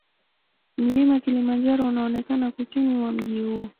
Mlima Kilimanjaro unaonekana kusini mwa mji huu.